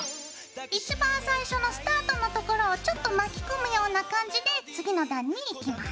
一番最初のスタートのところをちょっと巻き込むような感じで次の段にいきます。